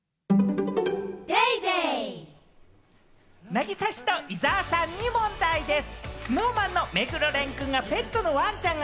凪咲氏と伊沢さんに問題です。